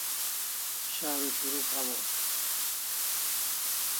Sharu shurukh hawaw